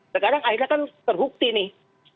sekarang akhirnya kan terbukti nih